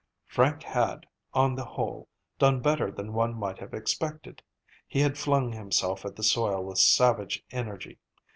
Frank had, on the whole, done better than one might have expected. He had flung himself at the soil with savage energy.